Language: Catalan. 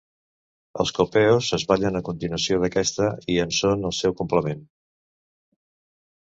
Els copeos es ballen a continuació d'aquesta, i en són el seu complement.